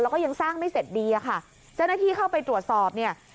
แล้วก็ยังสร้างไม่เสร็จดีอะค่ะเจ้าหน้าที่เข้าไปตรวจสอบเนี่ย